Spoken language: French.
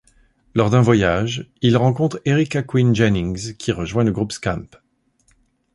Lors d’un voyage, ils rencontrent Erica Quinn Jennings, qui rejoint le groupe Skamp.